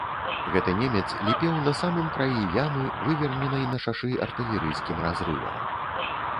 Гэты немец ліпеў на самым краі ямы, выверненай на шашы артылерыйскім разрывам.